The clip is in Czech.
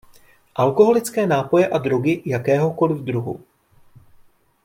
Alkoholické nápoje a drogy jakéhokoli druhu.